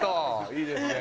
いいですね。